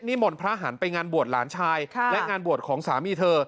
มนต์พระหันไปงานบวชหลานชายและงานบวชของสามีเธอ